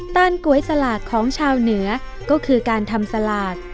ก๋วยสลากของชาวเหนือก็คือการทำสลาก